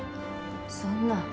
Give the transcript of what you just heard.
そんな。